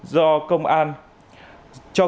do công an huyện nghi lộc